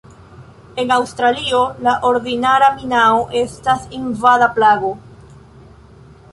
En Aŭstralio, la ordinara minao estas invada plago.